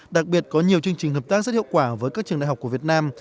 đặc biệt có nhiều chương trình hợp tác rất hiệu quả với các trường đại học của việt nam